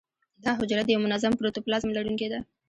دا حجره د یو منظم پروتوپلازم لرونکې ده.